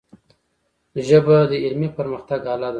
ژبه د علمي پرمختګ آله ده.